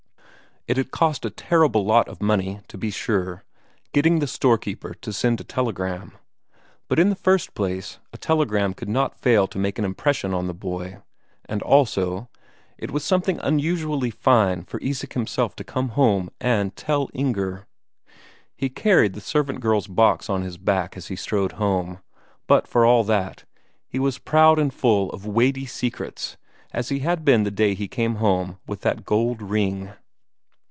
It had cost a terrible lot of money, to be sure, getting the storekeeper to send a telegram; but in the first place, a telegram could not fail to make an impression on the boy, and also it was something unusually fine for Isak himself to come home and tell Inger. He carried the servant girl's box on his back as he strode home; but for all that, he was proud and full of weighty secrets as he had been the day he came home with that gold ring....